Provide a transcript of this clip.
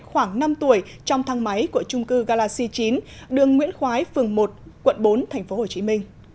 khoảng năm tuổi trong thang máy của trung cư galaxy chín đường nguyễn khoái phường một quận bốn tp hcm